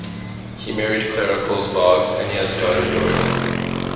He married Clara Coles Boggs and he has a daughter Dorothy.